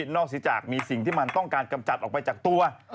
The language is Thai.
นอกจากมีสิ่งที่มันต้องการกำจัดออกไปจากตัว